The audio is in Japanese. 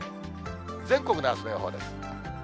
全国のあすの予報です。